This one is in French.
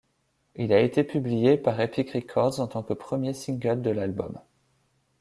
Il a été publié par Epic Records en tant que premier single de l'album.